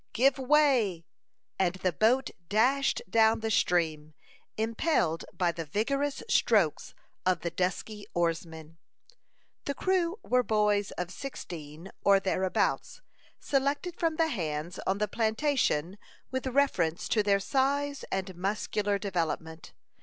"Give way!" and the boat dashed down the stream, impelled by the vigorous strokes of the dusky oarsmen. The crew were boys of sixteen, or thereabouts, selected from the hands on the plantation with reference to their size and muscular development.